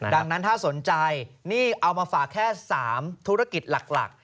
ดังนั้นถ้าสนใจนี่เอามาฝากแค่๓ธุรกิจหลัก